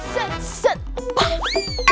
satu dua tiga